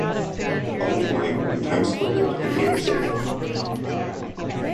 Odditorium in Times Square in New York City.